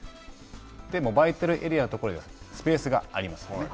でも、バイタルエリアのところにスペースがありますよね。